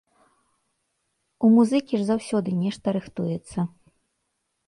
У музыкі ж заўсёды нешта рыхтуецца.